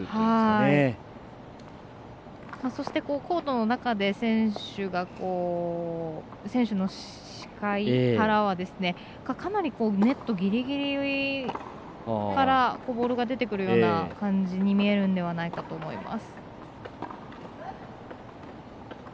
そして、コートの中で選手の視界からはかなりネットギリギリからボールが出てくるような感じに見えるんではないかと思います。